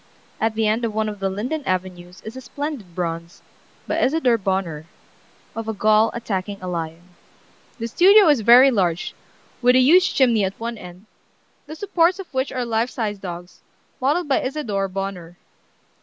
At the end of one of the linden avenues is a splendid bronze, by Isadore Bonheur, of a Gaul attacking a lion. "The studio is very large, with a huge chimney at one end, the supports of which are life size dogs, modeled by Isadore Bonheur.